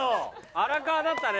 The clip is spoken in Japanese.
荒川だったね。